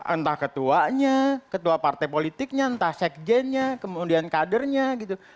entah ketuanya ketua partai politiknya entah sekjennya kemudian kadernya gitu